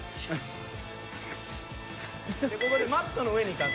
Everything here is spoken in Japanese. ここでマットの上に行かんと。